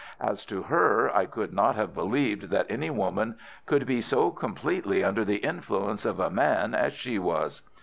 As to her, I could not have believed that any woman could be so completely under the influence of a man as she was.